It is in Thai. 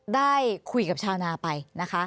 ได้คุยกับชาวนาไปนะคะ